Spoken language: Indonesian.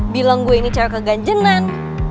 bilang gue ini cara keganjenan